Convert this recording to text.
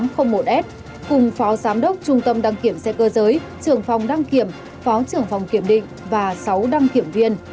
cùng phó giám đốc trung tâm đăng kiểm xe cơ giới trưởng phòng đăng kiểm phó trưởng phòng kiểm định và sáu đăng kiểm viên